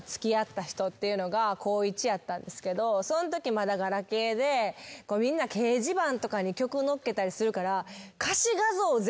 高１やったんですけどそんときまだガラケーでみんな掲示板とかに曲載っけたりするから。わ！